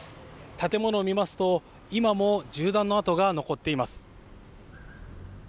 建物を見ますと、今も銃弾の痕が残っています。